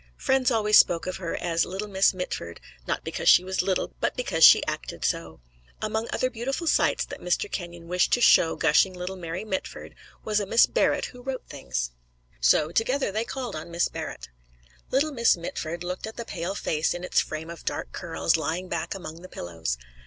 Friends always spoke of her as "Little Miss Mitford," not because she was little, but because she acted so. Among other beautiful sights that Mr. Kenyon wished to show gushing little Mary Mitford was a Miss Barrett who wrote things. So together they called on Miss Barrett. Little Miss Mitford looked at the pale face in its frame of dark curls, lying back among the pillows.